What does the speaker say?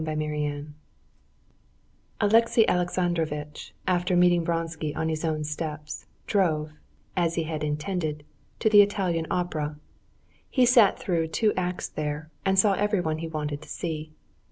Chapter 4 Alexey Alexandrovitch, after meeting Vronsky on his own steps, drove, as he had intended, to the Italian opera. He sat through two acts there, and saw everyone he had wanted to see.